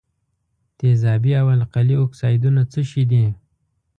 تیزابي او القلي اکسایدونه څه شی دي؟